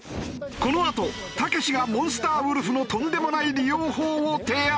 このあとたけしがモンスターウルフのとんでもない利用法を提案！